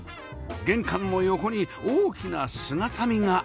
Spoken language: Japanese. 玄関の横に大きな姿見があります